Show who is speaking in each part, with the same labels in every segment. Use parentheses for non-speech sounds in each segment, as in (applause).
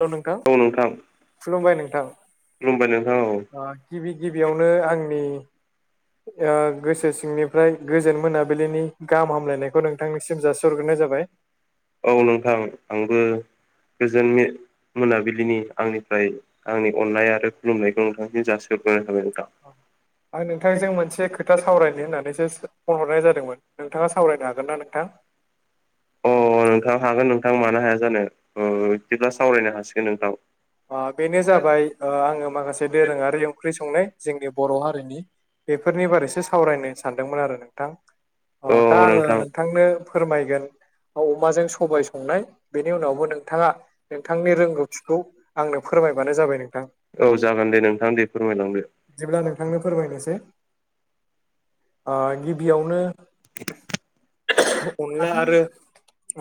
Speaker 1: हेल' नोंथां, खुलुमबाय नोंथां,
Speaker 2: खुलुमबाय नोंथां औ
Speaker 1: ओ गिबि गिबियावनो आंनि गोसो सिंनिफ्राय गोजोन मोनाबिलिनि गाहाम हामलायनायखौ नोंथांनिसिम जासिहग्रोनाय जाबाय।
Speaker 2: औ नोंथां आंबो गोजोननि मोनाबिलिनि आंनिफ्राय आंनि अननाय आरो खुलुमनायखौ नोंथांसि जासिहरग्रोनाय थाबाय नोंथां।
Speaker 1: औ आं नोंथांजों मोनसे खोथा सावरायनो होननानैसो फन हरनाय जादोंमोन नोंथाङा सावरायनो हागोन ना नोंथां?
Speaker 2: अ नोंथां हागोन नोंथां मानो हाया जानो ओ बिदिब्ला सावरायनो हासिगोन नोंथां।
Speaker 1: ओ बेनो जाबाय ओ आङो माखासे दोरोङारि ओंख्रि संनाय जोंनि बर' हारिनि बेफोरनि बारैसो सावरायनो सानदोंमोन आरो नोंथां
Speaker 2: औ
Speaker 1: अ दा आङो
Speaker 2: नोंथां
Speaker 1: नों थांनो फोरमायगोन औ अमाजों सबाय संनाय बेनि उनावबो नोंथाङा नोंथांनि रोंगौथिखौ आंनो फोरमायबानो जाबाय नोंथां।
Speaker 2: औ जागोन दे नोंथां दे फोरमायलांदो
Speaker 1: बिदिब्ला नोंथांनो फोरमायनोसै गिबियावनो अनला आरो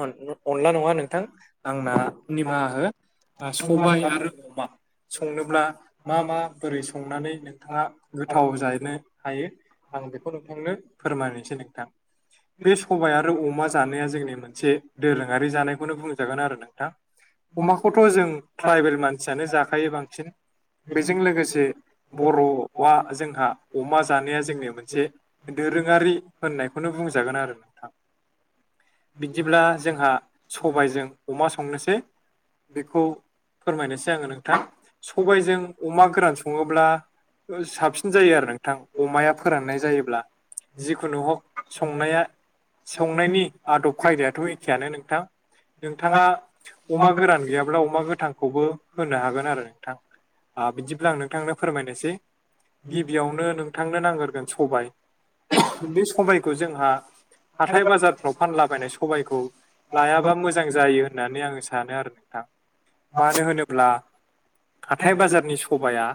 Speaker 1: अन अनला नङा नोंथां आंना निमाहा हो सबाय आरो अमा संनोब्ला मा मा बोरै संनानै नोंथाङा गोथाव जाहैनो हायो आं बेखौ नोंथांनो फोरमायनोसै नोंथां बे सबायाइ आरो अमा जानाया जोंनि मोनसे दोरोङारि जानायखौनो बुंजागोन आरो नोंथां। अमाखौथ' जों ट्राइबेल मानसियानो जाखायो बांसिन बेजों लोगोसे बर'आ जोंहा अमा जानाया जोंनि मोनसे दोरोङारि होननायखौनो बुंजागोन आरो नोंथां। बिदिब्ला जोंहा सबायजों अमा संनोसै बेखौ फोरमायनोसै आङो नोंथां सबायजों अमा गोरान सङोब्ला ओ साबसिन जायो आरो नों थां अमाया फोराननाय जायोब्ला जिखुनु हक संनाया संनायनि आदब खायदायाथ' एखेयानो नोंथां। नोंथाङा अमा गोरान गैयाब्ला अमा गो थांखौबो होनो हागोन आरो नोंथां ओ बिदिब्ला आं नोंथांनो फोरमायनोसै गिबियावनो नोंथांनो नांगोरगोन सबाय बे सबायखौ जोंहा हाथाय बाजारफ्राव फानलाबायनाय सबायखौ लायाबा मोजां जायो होननानै आङो सानो आरो नोंथां। मानो होनोब्ला हाथाय बाजारनि सबाया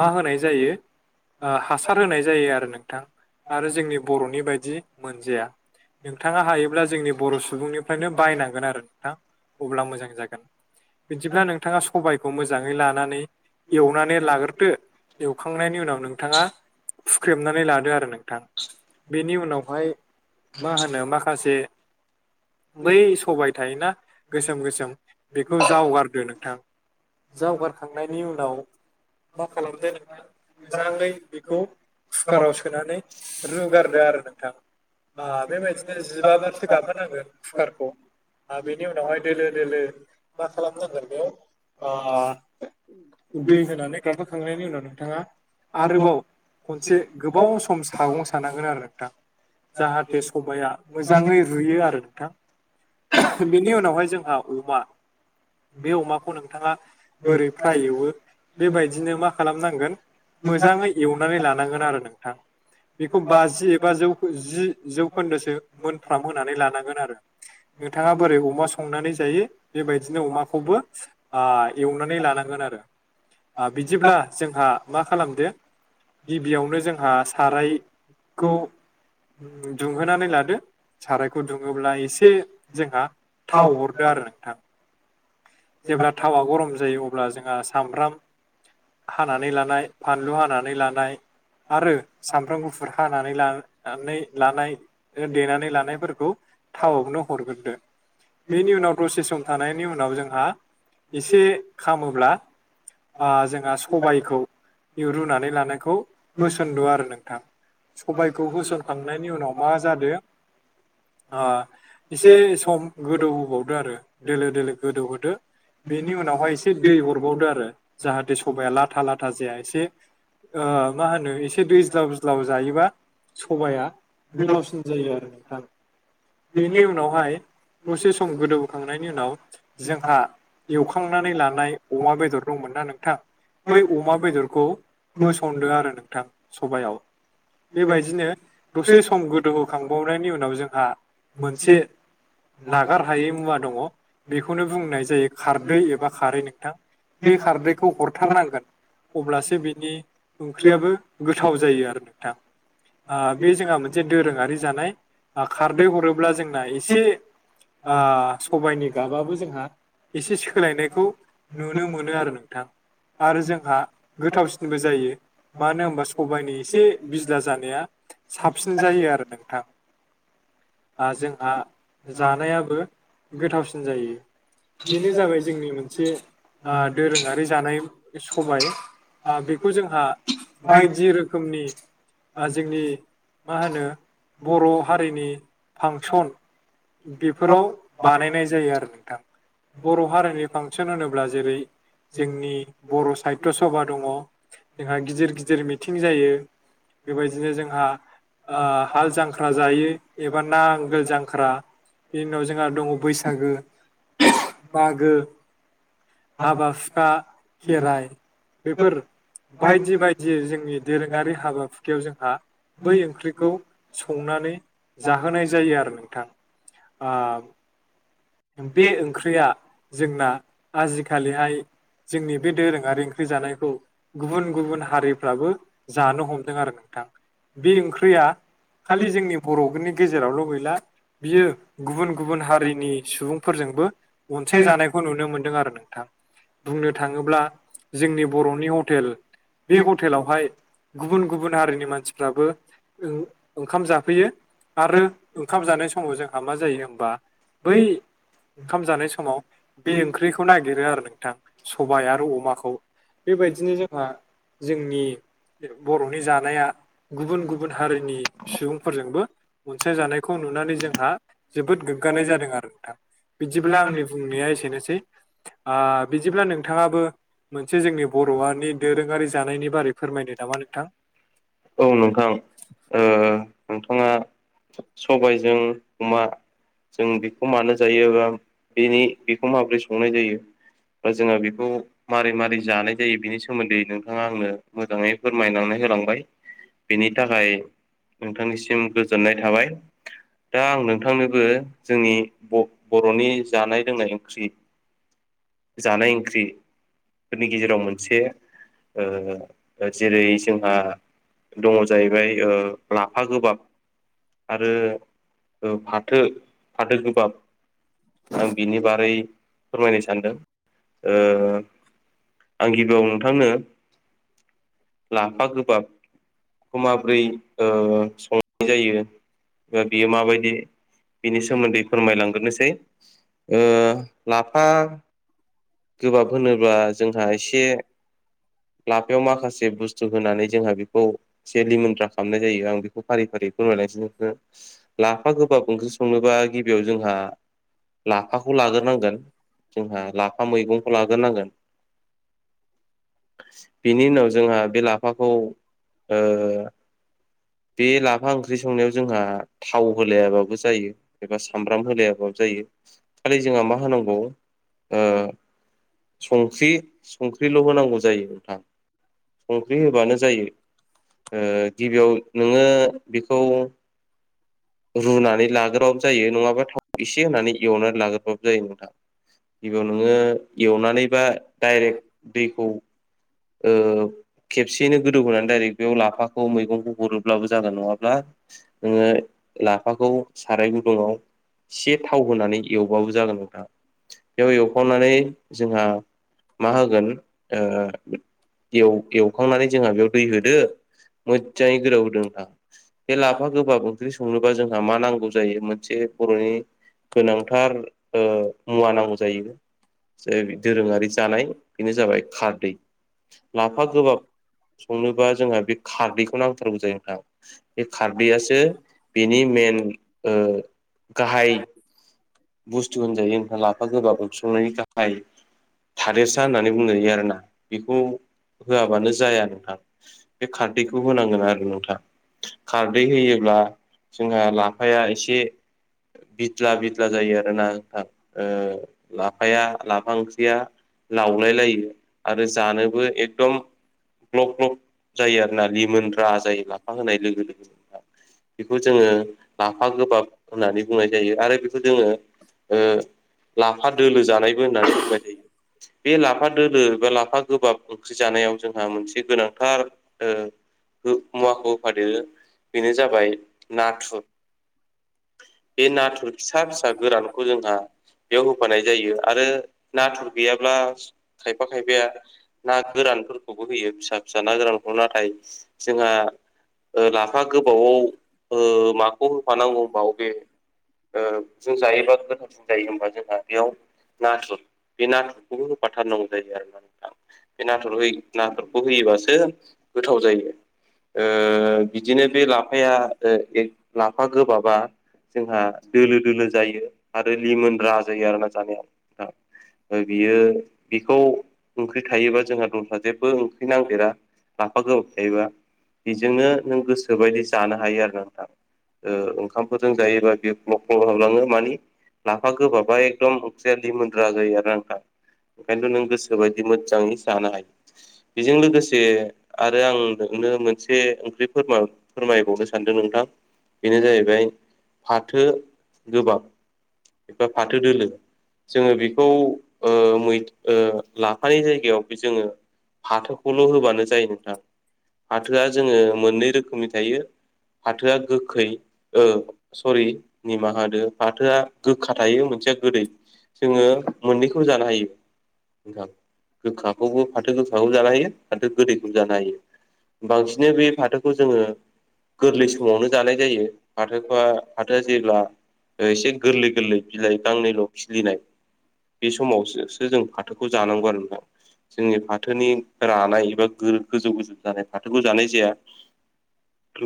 Speaker 1: मा होनाय जायो हासार होनाय जायो आरो नोंथां आरो जोंनि बर'नि बायदि मोनजाया। नोंथाङा हायोब्ला जोंनि बर' सुबुंनिफ्रायनो बायनांगोन आरो नोंथां अब्ला मोजां जागोन। बिदिब्ला नोंथाङा सबायखौ मोजाङै लानानै एवनानै लाग्रोदो। एवखांनायनि उनाव नोंथाङा फुख्रेबनानै लादो आरो नोंथां। बेनि उनावहाय मा होनो माखासे बै सबाय थायोना गोसोम गोसोम बेखौ जावगारदो नोंथां। जावगारखांनायनि उनाव मा खालामदो नोंथां मोजाङै बेखौ कुकाराव सोनानै रुगारदो आरो नोंथां। ओ बेबायदिनो जिबा बारसो गाबहोनांगोन कुकारखौ बेनि उनावहाय दोलो दोलो मा खालाम नांग बेयाव आ दै होनानै गाबहोखांनायनि उनाव नोंथाङा आरोबाव खनसे गोबाव सम सागं सानांगोन आरो नोंथां। जाहाथे सबाया मोजाङै रुयो आरो नोंथां। बेनि उनावहाय जोंहा अमा बे अमाखौ नोंथाङा बोरै फ्राय एवो बेबायदिनो मा खालामनांगोन? मोजाङै एवनानै लानांगोन आरो नोंथां। बेखौ बाजि एबा जौ जि जौखोन्दोसो मोनफ्राम होनानै लानांगोन आरो नोंथाङा बोरै अमा संनानै जायो बेबायदि बिदिनो अमाखौबो ओ एवनानै लानांगोन आरो बिदिब्ला जोंहा मा खालामदो गिबियावनो जोंहा सारायखौ दुंहोनानै लादो सारायखौ दुङोब्ला एसे जोंहा थाव हरदो आरो नोंथां। जेब्ला थावा गरम जायो अब्ला जोंहा सामब्राम हानानै लानाय फानलु हानानै लानाय। आरो सामबफ्र्राम गुफुर हानानै लानानै लानाय देनानै लानायफोरखौ थावआवनो हरग्रोदो। बेनि उनाव दसे सम थानायनि उनाव जोंहा एसे खामोब्ला जोंहा सबायखौ रुनानै लानायखौ कुइसनन्दु आरो नोंथां। सबायखौ होसनखांनायनि उनाव मा जादों ओ एसे सम गोदौहोबावदो आरो दोलो दोलो गोदौहोदो बेनि उनावहाय एसे दै हरबावदो आरो जाहाथे सबाया लाथा लाथा जाया एसे ओ मा होनो एसे दैज्लावज्लाव जायोबा सबाया गोथावसिन जायो आरो नोंथां। बेनि उनावहाय दसे सम गोदौखांनायनि उनाव जोंहा एवखांनानै लानाय अमा बेदर दंमोन नना नोंथां? बै अमा बेदरखौ होसनदों आरो नोंथां सबायाव बेबायदिनो दसे सम गोदौहोखांबावनायनि उनाव जोंहा मोनसे
Speaker 2: (unintelligible)
Speaker 1: नागार हायै मुवा दङ बेखौनो बुंनाय जायो। खारदै एबा खारै नोंथां बे खारदैखौ हरथारनांगोन। अब्लासो बिनि ओंख्रियाबो गोथाव जायो आरो नोंथां। बे जोंहा मोनसे दोरोङारि जानाय खारदै हरोब्ला जोंना एसे ओ सबाइनि गाबाबो जोंहा एसे सोलायनायखौ नुनो मोनो आरो नोंथां। आरो जोंहा गोथावसिनबो जायो मानो होनबा सबाइनि एसे बिज्ला जानाया साबसिन जायो आरो नोंथां। आरो जोंहा जानायाबो गोथावसिन जायो। बेनो जाबाय जोंनि मोनसे आ दोरोङारि जानाय सबाय बेखौ जोंहा बायदि रोखोमनि जोंनि मा होनो बर' हारिनि फांसन बेफोराव बानायनाय जायो आरो नोंथां। बर' हारिनि फांसन होनोब्ला जेरै जोंनि बर' साहित्य सभा दङ जोंहा गिदिर गिदिर मिथिं जायो। बेबायदिनो जोंहा हाल जांख्रा जायो एबा नांगोल जांख्रा बिनि उनाव जोंहा दङ बैसागो। मागो
Speaker 2: (inaudible)
Speaker 1: हाबा हुखा खेराइ बेफोर बायदि बायदि जोंनि दोरोङारि हाबाफुखयाव जोंहा बै ओंख्रिखौ संनानै जाहोनाय जायो आरो नोंथां आ बे ओंख्रिया जोंना आजिखालिहाय जोंनि बे दोरोङारि ओंख्रि जानायखौ गुबुन गुबुन हारिफ्राबो जानो हम हमदों आरो नोंथां बे ओंख्रिया खालि जोंनि बर'नि गेजेरावल' गैला बियो गुबुन-गुबुन हारिनि सुबुंफोरजोंबो अनसायजानायखौ नुनो मोनदों आरो नोंथां बुंनो थाङोब्ला जोंनि बर'नि हटेल बे हटेलावहाय गुबुन-गुबुन हारिनि मानसिफ्राबो ओं ओंखाम जाफैयो आरो ओंखाम जानाय समाव जोंहा मा जायो होमबा बै ओंखाम जानाय समाव बे ओंख्रिखौ नागिरो आरो नोंथां सबाइ आरो अमाखौ बेबायदिनो जोंहा जोंनि बर'नि जानाया गुबुन-गुबुन हारिनि सुबुंफोरजोंबो अनसायजानायखौ नुनानै जोंहा जोबोद गोग्गानाय जादों आरो नोंथां बिदिब्ला आंनि बुंनाया एसेनोसै आ बिदिब्ला नोंथाङाबो मोनसे जोंनि बर'आनि दोरोङारि जानायनि बारै फोरमायदो नामा नोंथां
Speaker 2: औ नोंथां ओ नोंथाङा सबाइजों अमा जों बेखौ मानो जायो बा बेनि बेखौ माब्रै संनाय जायो बा जोंहा बेखौ मारै मारै जानाय जायो बिनि सोमोन्दै नोंथाङा आंनो मोजाङै फोरमायनानै होलांबाय बेनि थाखाय नोंथांनिसिम गोजोननाय थाबाय दा आं नोंथांनोबो जोंनि ब बर'नि जानाय लोंनाय ओंख्रि जानाय ओंख्रि फोरनि गेजेराव मोनसे ओ जेरै जोंहा दङ जाहैबाय ओ लाफा गोबाब आरो ओ फाथो फाथो गोबाब आं बिनि बारै फोरमायनो सानदों ओ आं गिबियाव नोंथांनो लाफा गोबाब खौ माब्रै ओ संनाय जायो ओ बियो माबायदि बिनि सोमोन्दै फोरमायलांगोरनोसै ओ लाफा गोबाब होनोब्ला जोंहा एसे लाफायाव माखासे बुस्थु होनानै जोंहा बेखौ एसे लिमोनद्रा खामनाय जायो आं बेखौ फारि फारि फोरमायलायसै नो लाफा गोबाब ओंख्रि संनोबा गिबियाव जोंहा लाफाखौ लाग्रोनांगोन जोंहा लाफा मैगंखौ लाग्रोनांगोन बेनि उनाव जोंहा बे लाफाखौ ओ बे लाफा ओंख्रि संनायाव जोंहा थाव होलायाबाबो जायो एबा सामब्राम होलायाबाबो जायो। खालि जोंहा मा होनांगौ ओ संख्रि संख्रिल' होनांगौ जायो नोंथां संख्रि होबानो जायो। ओ गिबियाव नोङो बेखौ रुनानै लागोरबाबो जायो नङाबा थाव इसे होनानै एवनानै लागोरबाबो जायो नोंथां गिबियाव नोङो एवनानै बा डाइरेक्ट दैखौ ओ खेबसेयैनो गोदौहोनानै दाइरेक्ट बेयाव लाफाखौ मैगंखौ हरोब्लाबो जागोन नङाब्ला नोङो लाफाखौ साराय गुदुङाव से थाव होनानै एवबाबो जागोन नोंथां बेयाव एवखांनानै जोंहा मा होगोन ओ एव एवखांनानै जोंहा बेयाव दै होदो मोदजाङै गोदौ होदो नोंथां बे लाफा गोबाब ओंख्रि संनोबा जोंहा मा नांगौ जायो मोनसे बर'नि गोनांथार ओ मुवा नांगौ जायो। (unintelligible) दोरोङारि जानाय बेनो जाबाय खारदै लाफा गोबाब संनोबा जोंहा बे खारदैखौनो नांथारगौ जायो नोंथां बे खारदैआसो बेनि मेन ओ गाहाय बुस्थु होनजायो नोंथां लाफा गोबाब ओख्रि संनायनि गाहाय थादेरसा होननानै बुंनो हायो आरोना बेखौ होआबानो जाया नोंथां बे खारदैखौ होनांगोन आरो नोंथां खारदै होयोब्ला जोंहा लाफाया एसे बिद्ला बिद ला जायो आरो ना नोंथां लाफाया लाफा ओंख्रिया लावलाय लायो आरो जानोबो एकदम ग्लक ग्लक जायो आरोना लिमोनग्रा जायो लाफा होनाय लोगो लोगो बेखौ जोङो लाफा गोबाब होननानै बुंनाय जायो आरो जोङो ओ लाफा दोलो जानायबो होननानै बुंबाय जायो बे लाफा दोलो बा लाफा गोबाब ओंख्रि जानायाव जोंहा मोनसे गोनांथार ओ मुवाखौ होफादेरो बेनो जाबाय नाथुर बे नाथुर फिसा फिसा गोरानखौ जोंहा बेयाव होफानाय जायो आरो नाथुर गैयाब्ला खायफा खायफाया ना गोरानफोरखौबो होयो फिसा फिसा ना गोरानखौ नाथाय जोंहा लाफा गोबावाव ओ माखौ होफानांगौ होनोबा अबे ओ जों जायोबा गोथावसिन जायो होमबा जोंहा बेयाव नाथुर बे नाथुर गुबुनु फाथार नांगौ जायो आरो ना नोंथां बे नाथुर हो नाथुरखौ होयोबासो गोथाव जायो ओ बिदिनो बे लाफाया ओ ए लाफा गोबाबा जोंहा दोलो दोलो जायो आरो लिमोन रा जायो आरोना जानायाव बियो बेखौ ओंख्रि थायोबा जोंहा दंस्रा जेबो ओंख्रि नांदेरा लाफा गोबाब थायोबा बेजोंनो नों गोसोबायदि जानो हायो आरो ना नोंथां ओ ओंखामफोरजों जायोबा बे ग्लब ब हाबलाङो मानि लाफा गोबाबा एकदम ओंख्रिया लिमोनद्रा जायो आरो नोंथां ओंखायनोथ' नों गोसोबायदि मोजाङै जानो हायो बेजों लोगोसे आरो आं नोंनो मोनसे ओंख्रि फोरमाय फोरमायबावनो सानदों नोंथां बेनो जाहैबाय थो गोबाब एबा फाथो दोलो जोङो बेखौ ओ मै लाफानि जायगायावबो जोङो फाथोखौल' होबानो जायो नोंथां फाथोआ जोङो मोननै रोखोमनि थायो फाथोआ गोखै ओ सरि निमाहा होदो फाथोआ गोखा थायो मोनसेया गोदै जोङो मोननैखौबो जानो हायो नोंथां गोखाखौबो फाथो गोखाखौबो जानो हायो फाथो गोदैखौबो जानो हायो बांसिन बे फाथोखौ जोङो गोरलै समावनो जानाय जायो फाथोखौ फा जेब्ला एसे गोरलै गोरलै बिलाइ गांनैल' खिलिनाय बे समावोसो जों फाथोखौ जानांगौ आरो नोंथां जोंनि फाथोनि रानाय एबा गोजौ गोजौ जानाय फाथोखौ जानाय जाया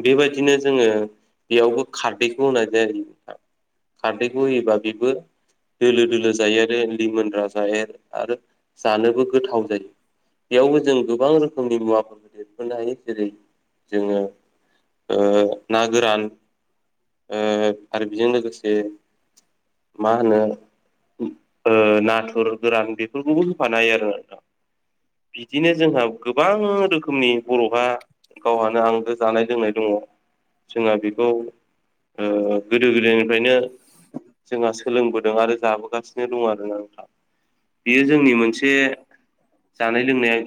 Speaker 2: बेबायदिनो जोङो बेयावबो खारदैखौ होनाय जायो खारदैखौ होयोबा बेबो दोलो दोलो जायो आरो लिमोनग्रा जायो आरो आरो जानोबो गोथाव जायो बेयावबो जों गोबां रोखोमनि मुवाफोरखौ देरफानो हायो जेरै जोङो ओ ना गोरान ओ आरो बेजों लोगोसे मा होनो। नाथुर गोरान बेफोरखौबो होफानो हायो आरो बिदिनो जोंहा गोबां रोखोमनि बर'हा। गावहानो आंगो जानाय लोंनाय दङ जोंहा बेखौ ओ गोदो गोदायनिफ्रायनो जोंहा सोलोंबोदों आरो जाबोगासिनो दं आरोना नोंथां। बियो जोंनि मोनसे जानाय लोंनाय।